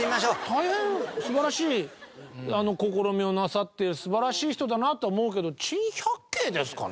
大変素晴らしい試みをなさって素晴らしい人だなとは思うけど珍百景ですかね？